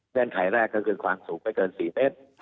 เงื่อนไขแรกก็คือความสูงไปเกิน๔เมตร